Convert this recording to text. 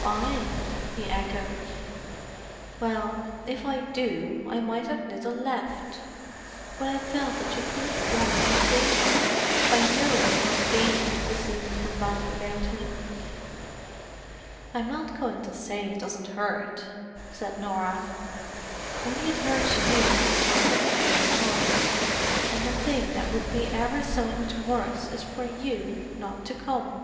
"I?" he echoed. "Well, if I do, I have mighty little left. But I felt that you couldn't want to see me. I know what it must be like to see me come back without him." "I'm not going to say it doesn't hurt," said Norah. "Only it hurts you as much as it does us. And the thing that would be ever so much worse is for you not to come.